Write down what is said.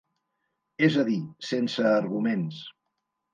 És a dir, sense arguments.